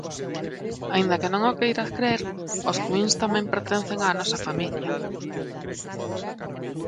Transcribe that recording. Aínda que non o queiras crer os cuíns tamén pertencen á nosa familia.